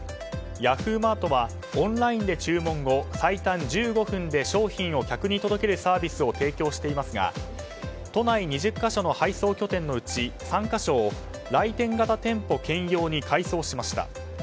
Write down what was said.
Ｙａｈｏｏ！マートはオンラインで注文後最短１５分で商品を客に届けるサービスを提供していますが都内２０か所の配送拠点のうち３か所を来店型店舗兼用に改装しました。